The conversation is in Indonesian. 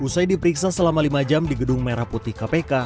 usai diperiksa selama lima jam di gedung merah putih kpk